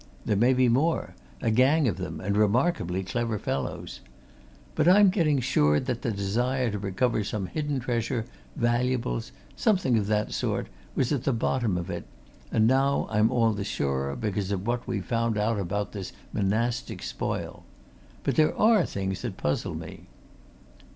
There may be more a gang of them, and remarkably clever fellows. But I'm getting sure that the desire to recover some hidden treasure, valuables, something of that sort, was at the bottom of it, and now I'm all the surer because of what we've found out about this monastic spoil. But there are things that puzzle me."